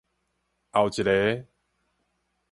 後一个